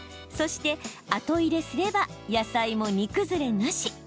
そして後入れすれば野菜も煮崩れなし。